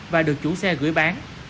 và được chủ xe gửi bán